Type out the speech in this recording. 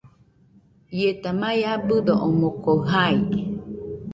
Ieta mai abɨdo omoɨko jai.